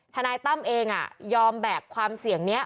ทนายตั้มเองยอมแบกความเสี่ยงนี้